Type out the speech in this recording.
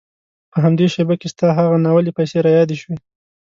په همدې شېبه کې ستا هغه ناولې پيسې را یادې شوې.